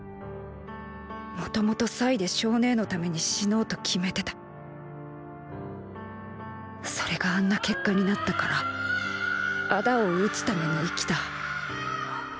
もともと祭で象姉のために死のうと決めてたそれがあんな結果になったから仇を討つために生きたうああああああああ！！